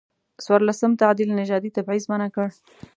څورلسم تعدیل نژادي تبعیض منع کړ.